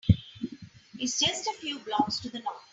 It’s just a few blocks to the North.